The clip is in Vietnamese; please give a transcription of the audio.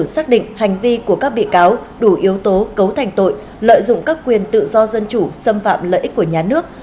xác định hành vi của các bị cáo đủ yếu tố cấu thành tội lợi dụng các quyền tự do dân chủ xâm phạm lợi ích của nhà nước